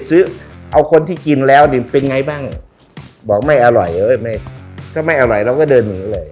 ซื้อเอาคนที่กินแล้วนี่เป็นไงบ้างบอกไม่อร่อยเอ้ยไม่ถ้าไม่อร่อยเราก็เดินหนีเลย